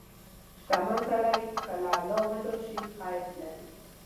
• شتمن سړی که له الله وډار شي، خیر لري.